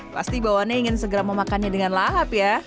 pasti bawaannya ingin segera memakannya dengan lahap ya